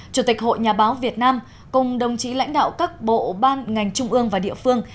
chủ tịch hội nhà báo việt nam cùng đồng chí lãnh đạo các bộ ban ngành trung ương và địa phương